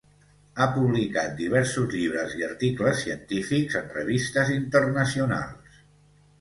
Ha publicat diversos llibres i articles científics en revistes internacionals.